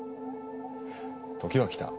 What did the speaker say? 時は来た！